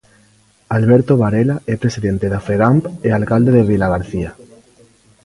Alberto Varela é presidente da Fegamp e alcalde de Vilagarcía.